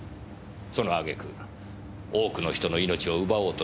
そのあげく多くの人の命を奪おうとしている。